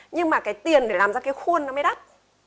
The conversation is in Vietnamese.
nhưng mà cái tiền để làm ra cái khuôn nó mới đắt